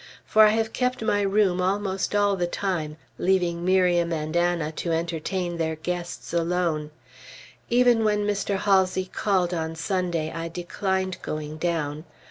For I have kept my room almost all the time, leaving Miriam and Anna to entertain their guests alone. Even when Mr. Halsey called on Sunday, I declined going down.